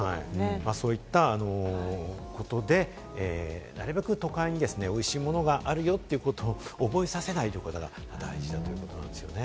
そういったことでなるべく都会にですね、美味しいものがあるよということを覚えさせないということが大事だということなんですよね。